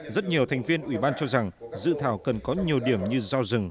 rất nhiều thành viên ủy ban cho rằng dự thảo cần có nhiều điểm như giao rừng